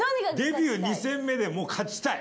デビュー２戦目で、もう、勝ちたい？